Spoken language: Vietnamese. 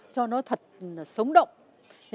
cho nó thật sống động